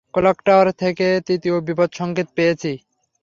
Clock tower থেকে তৃতীয় বিপদ সংকেত পেয়েছি।